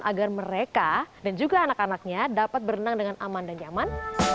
agar mereka dan juga anak anaknya dapat berenang dengan aman dan nyaman